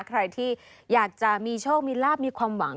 ใครที่อยากจะมีโชคมีลาบมีความหวัง